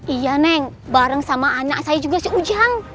iya neng bareng sama anak saya juga si ujang